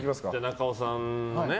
中尾さんね。